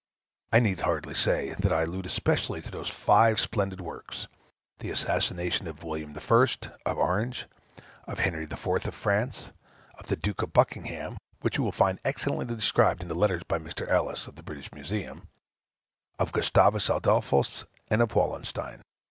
I need hardly say, that I allude especially to those five splendid works, the assassinations of William I, of Orange, of Henry IV., of France, of the Duke of Buckingham, (which you will find excellently described in the letters published by Mr. Ellis, of the British Museum,) of Gustavus Adolphus, and of Wallenstein.